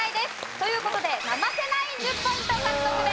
という事で生瀬ナイン１０ポイント獲得です。